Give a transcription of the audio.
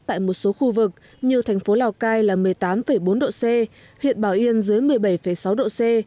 tại một số khu vực như thành phố lào cai là một mươi tám bốn độ c huyện bảo yên dưới một mươi bảy sáu độ c